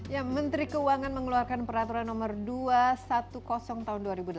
ya menteri keuangan mengeluarkan peraturan nomor dua ratus sepuluh tahun dua ribu delapan belas